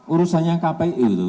urusannya kpu itu